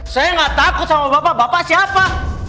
saya nggak takut sama bapak bapak siapa